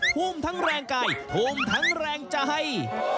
ทุ่มทั้งแรงกายทุ่มทั้งแรงใจ